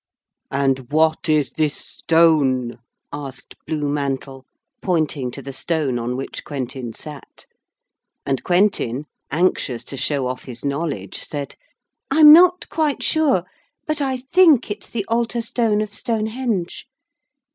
'And what is this stone?' asked Blue Mantle, pointing to the stone on which Quentin sat. And Quentin, anxious to show off his knowledge, said: 'I'm not quite sure, but I think it's the altar stone of Stonehenge.'